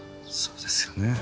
そうですよね。